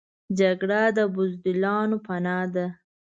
جګړه د بزدلانو پناه ده